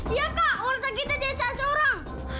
iya kak horta kita jajak seorang